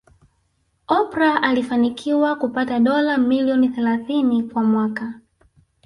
Oprah alifanikiwa kupata dola milioni thelathini kwa mwaka